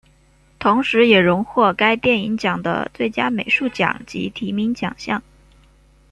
同时也荣获该电影奖的最佳美术奖及提名奖项。